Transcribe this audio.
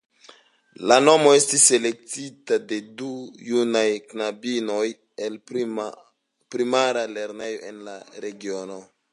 La nomo estis elektita de du junaj knabinoj el primara lernejo en la regiono.